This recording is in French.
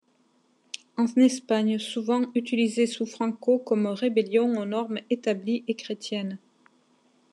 En Espagne, souvent utilisé sous Franco comme rébellion aux normes établies et chrétiennes.